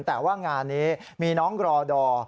แต่ว่างานนี้มีน้องรอดอร์